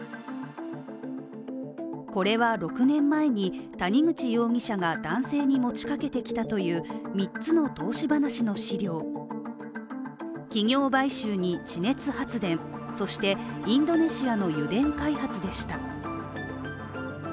これは６年前に谷口容疑者が男性に持ちかけてきたという三つの投資話の資料、企業買収に地熱発電、そしてインドネシアの油田開発でした。